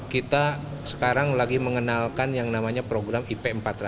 kita sekarang lagi mengenalkan yang namanya program ip empat ratus